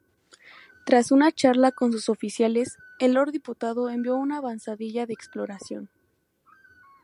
Tras una charla con sus oficiales, el Lord Diputado envió una avanzadilla de exploración.